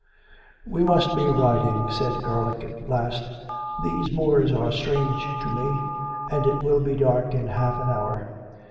"We must be riding/' said Garlick at last; "these moors are strange to me; and it will be dark in half an hour."